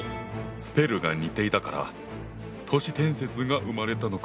スペルが似ていたから都市伝説が生まれたのか。